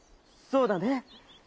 「そうだね。